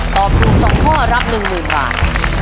ตอบถูก๒ข้อรับ๑๐๐๐บาท